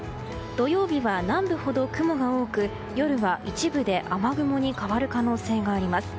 土曜日は南部ほど雲が多く夜は一部で雨雲に変わる可能性があります。